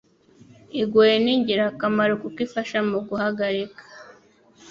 igoye ni ingirakamaro kuko ifasha muguhagarika